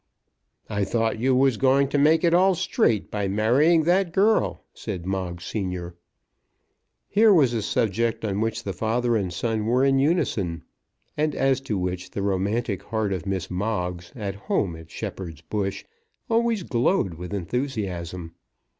"I thought you was going to make it all straight by marrying that girl," said Moggs senior. Here was a subject on which the father and the son were in unison; and as to which the romantic heart of Miss Moggs, at home at Shepherd's Bush, always glowed with enthusiasm.